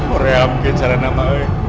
orangnya mungkin salah nama